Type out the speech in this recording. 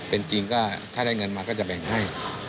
เป็นจริงก็ถ้าได้เงินมาก็จะแบ่งให้